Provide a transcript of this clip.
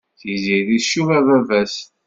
Tiziri tcuba baba-s.